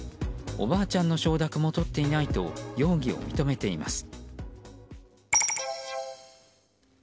おばあちゃんの承諾もとっていないと容疑を認めています。